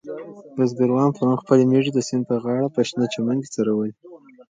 بزګرانو پرون خپلې مېږې د سیند په غاړه په شنه چمن کې څرولې وې.